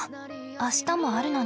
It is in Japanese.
明日もあるのに。